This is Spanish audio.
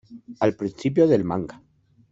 Al principio del manga.